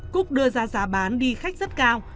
cúc đưa ra giá bán đi khách rất cao